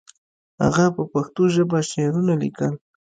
هغه په پښتو ژبه شعرونه لیکل.